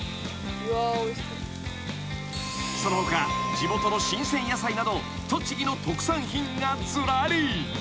［その他地元の新鮮野菜など栃木の特産品がずらり］